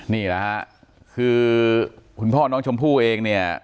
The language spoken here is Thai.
นี่แหละฮะคือคุณพ่อน้องชมพู่เองเนี่ย